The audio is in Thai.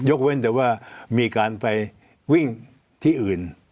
เว้นแต่ว่ามีการไปวิ่งที่อื่น